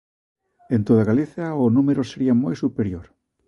En toda Galicia, o número sería moi superior.